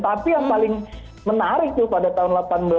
tapi yang paling menarik itu pada tahun seribu delapan ratus tiga puluh tujuh